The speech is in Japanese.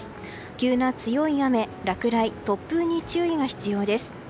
急な強い雨、落雷、突風に注意が必要です。